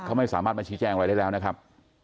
เขาไม่สามารถมาชี้แจงอะไรได้แล้วนะครับ